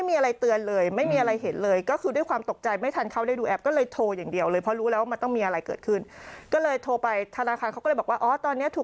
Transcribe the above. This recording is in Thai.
เพราะไม่มีอะไรเตือนเลยไม่มีอะไรเห็นเลย